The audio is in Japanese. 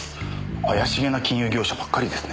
怪しげな金融業者ばっかりですね。